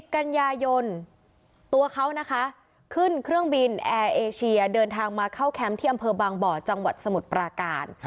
กันยายนตัวเขานะคะขึ้นเครื่องบินแอร์เอเชียเดินทางมาเข้าแคมป์ที่อำเภอบางบ่อจังหวัดสมุทรปราการ